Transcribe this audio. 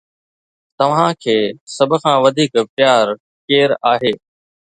توهان کي سڀ کان وڌيڪ پيار ڪير آهي؟